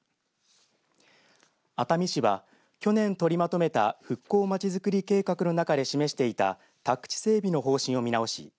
熱海市は去年取りまとめた復興まちづくり計画の中で示していた宅地整備の方針を見直し